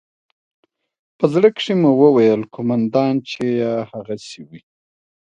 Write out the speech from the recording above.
په زړه کښې مې وويل قومندان چې يې هغسې وي.